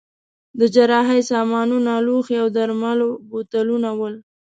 د جراحۍ سامانونه، لوښي او د درملو بوتلونه ول.